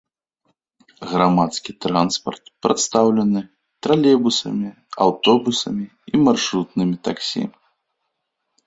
Грамадскі транспарт прадстаўлены тралейбусамі, аўтобусамі і маршрутным таксі.